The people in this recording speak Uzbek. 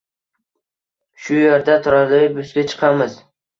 Shu yerda trolleybusga chiqamiz.